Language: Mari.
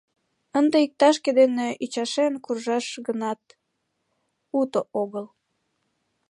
— Ынде иктаж-кӧ дене ӱчашен куржаш гынат, уто огыл!